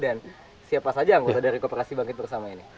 dan siapa saja anggota dari kooperasi bangkit bersama ini